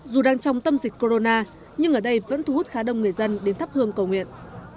dù đang trong tâm dịch corona nhưng ở đây vẫn thu hút khá đông người dân đến thắp hương cầu nguyện